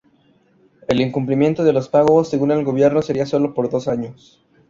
El incumplimiento de los pagos, según el gobierno, sería sólo por dos años.